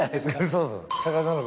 そうそう。